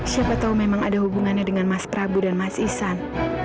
siapa tahu memang ada hubungannya dengan mas prabu dan mas isan